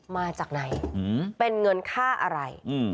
มาจากไหนเป็นเงินค่าอะไร